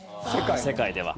世界では。